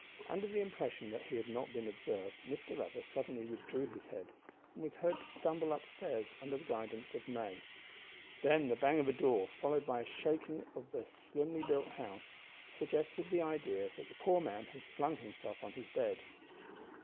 Under the impression that he had not been observed, Mr Leather suddenly withdrew his head, and was heard to stumble up stairs under the guidance of May. Then the bang of a door, followed by a shaking of the slimly built house, suggested the idea that the poor man had flung himself on his bed.